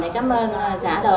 cô không ngồi giúp đỡ